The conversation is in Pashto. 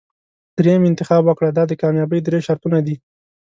دریم انتخاب وکړه دا د کامیابۍ درې شرطونه دي.